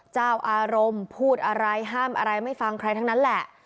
เจ้าอารมณ์พูดอะไรห้ามอะไรไม่ฟังใครทั้งนั้นแหละ